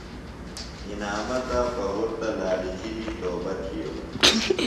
انعامہ تا پُہرتہ لالچی دی توبہ تِھیلوۡ۔